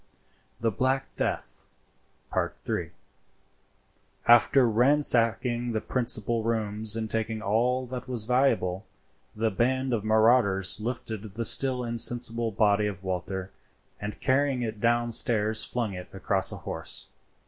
THE BLACK DEATH.—III. After ransacking the principal rooms and taking all that was valuable, the band of marauders lifted the still insensible body of Walter, and carrying it downstairs flung it across a horse.